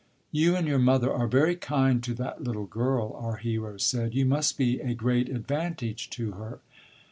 "You and your mother are very kind to that little girl," our hero said; "you must be a great advantage to her."